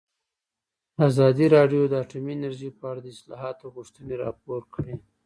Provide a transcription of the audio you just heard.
ازادي راډیو د اټومي انرژي په اړه د اصلاحاتو غوښتنې راپور کړې.